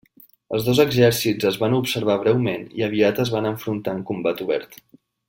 Els dos exèrcits es van observar breument i aviat es van enfrontar en combat obert.